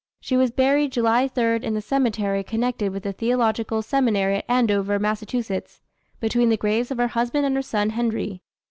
She was buried July 3 in the cemetery connected with the Theological Seminary at Andover, Mass., between the graves of her husband and her son, Henry.